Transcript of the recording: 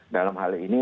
dalam hal ini